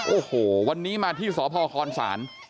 โอ้โหวันนี้มาที่สพคศ